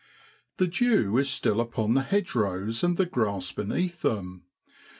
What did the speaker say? The dew is still upon the hedgerows and the grass beneath them.